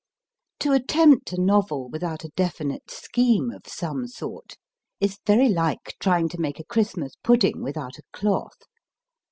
To attempt a novel without a definite scheme of some sort is very like trying to make a Christmas pudding without a cloth.